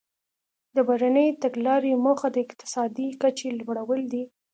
د بهرنۍ تګلارې موخه د اقتصادي کچې لوړول دي